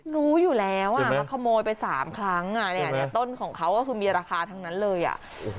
รู้อยู่แล้วอ่ะมาขโมยไป๓ครั้งต้นของเขาก็คือมีราคาทั้งนั้นเลยอ่ะ